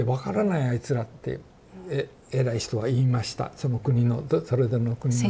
その国のそれぞれの国のね。